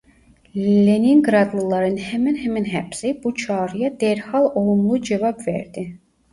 Leningradlıların hemen hemen hepsi bu çağrıya derhal olumlu cevap verdi.